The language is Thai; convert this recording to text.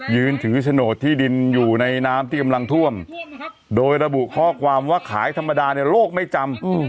ยืนถือโฉนดที่ดินอยู่ในน้ำที่กำลังท่วมโดยระบุข้อความว่าขายธรรมดาในโลกไม่จำ